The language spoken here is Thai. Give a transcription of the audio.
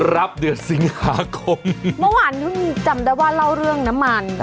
รับเดือดสิงหาคมเมื่อวานถึงจำได้ว่าเล่าเรื่องน้ำมันได้ครับ